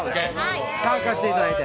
参加していただいて。